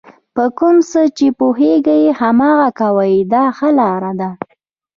په کوم څه چې پوهېږئ هماغه کوئ دا ښه لار ده.